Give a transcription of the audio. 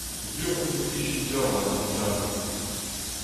Sur omp e plijint deoc'h ha d'ar vugale !